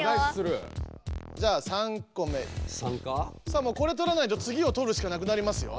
さあもうこれ取らないとつぎを取るしかなくなりますよ。